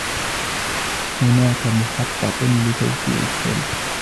هناك مخطط لتوسيع الشركة.